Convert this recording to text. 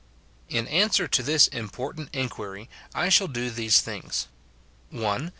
In answer to this important inquiry, I shall do these things :— I.